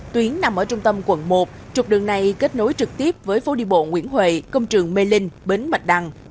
tuyến nằm ở trung tâm quận một trục đường này kết nối trực tiếp với phố đi bộ nguyễn huệ công trường mê linh bến bạch đăng